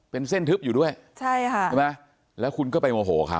โปรดติดตามตอนต่อไป